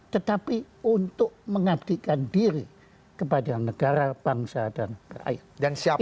tetapi untuk mengabdikan diri kepada negara bangsa dan rakyat